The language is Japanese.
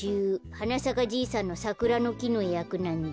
「はなさかじいさん」のサクラのきのやくなんだ。